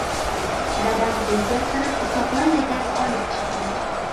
Dadam uyga kirib sopol lagan olib chiqdi.